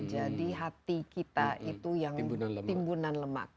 jadi hati kita itu yang timbunan lemak